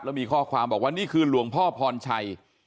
แล้วมีข้อความบอกว่านี่คือหลวงพ่อพรชัย